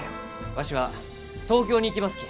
わしは東京に行きますき。